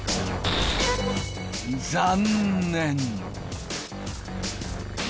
残念！